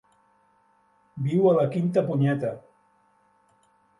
Viu a la quinta punyeta.